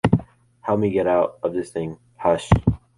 Help me get out of this thing. Hush!